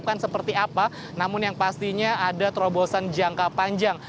bukan seperti apa namun yang pastinya ada terobosan jangka panjang